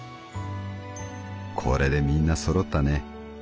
『これでみんなそろったね。